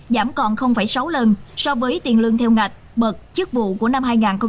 giảm còn sáu lần so với tiền lương theo ngạch bật chức vụ của năm hai nghìn hai mươi